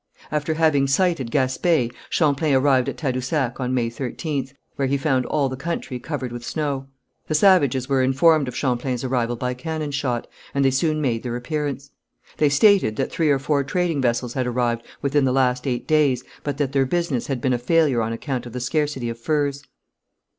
After having sighted Gaspé, Champlain arrived at Tadousac on May 13th, where he found all the country covered with snow. The savages were informed of Champlain's arrival by cannon shot, and they soon made their appearance. They stated that three or four trading vessels had arrived within the last eight days, but that their business had been a failure on account of the scarcity of furs.